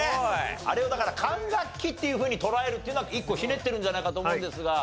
あれをだから管楽器っていうふうに捉えるっていうのは一個ひねってるんじゃないかと思うんですが。